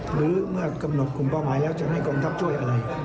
หรือเมื่อกำหนดกลุ่มเป้าหมายแล้วจะให้กองทัพช่วยอะไร